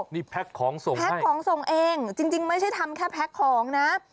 นี่แพ็คของส่งแพ็คของส่งเองจริงไม่ใช่ทำแค่แพ็คของนะ